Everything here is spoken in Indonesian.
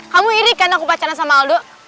kamu irikan aku pacaran sama aldo